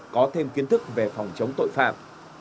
có thêm kiến thức về phòng chống tội phạm